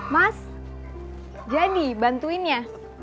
mas jadi bantuinnya